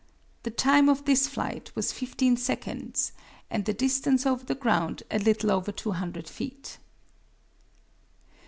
The time of this flight was fifteen seconds and the distance over the ground a little over 200 feet.